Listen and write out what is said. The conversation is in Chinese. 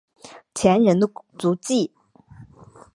前人的足迹